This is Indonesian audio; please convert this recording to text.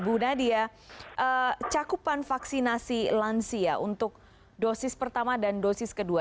bu nadia cakupan vaksinasi lansia untuk dosis pertama dan dosis kedua